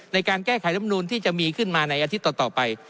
ในการแก้ไขรำนูนที่จะมีขึ้นมาในอาทิตย์ต่อไป